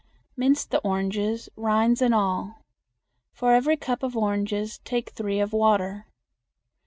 Mince the oranges, rind and all. For every cup of oranges take three of water.